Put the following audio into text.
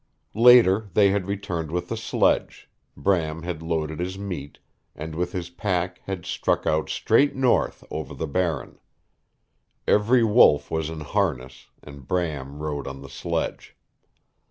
Later they had returned with the sledge, Bram had loaded his meat, and with his pack had struck out straight north over the Barren. Every wolf was in harness, and Bram rode on the sledge.